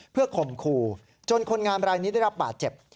เพื่อข่มขู่จนคนงามรายนี้ได้รับบาดเจ็บ